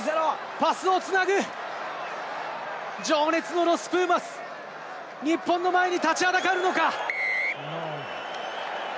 パスをつなぐ情熱のロス・プーマス、日本の前に立ちはだかるのか？